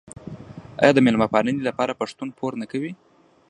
آیا د میلمه پالنې لپاره پښتون پور نه کوي؟